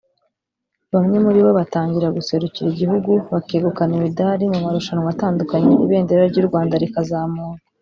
Bamwe muri bo batangira guserukira igihugu bakegukana imidari mu marushanwa atandukanye ibendera ry’u Rwanda rikazamurwa